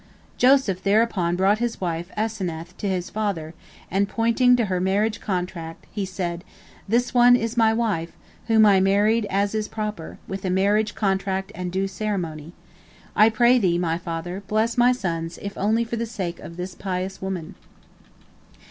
Joseph thereupon brought his wife Asenath to his father, and pointing to her marriage contract, he said, "This one is my wife, whom I married as is proper, with a marriage contract and due ceremony. I pray thee, my father, bless my sons if only for the sake of this pious woman."